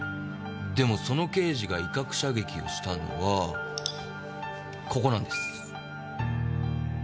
でもその刑事が威嚇射撃をしたのがここなんです。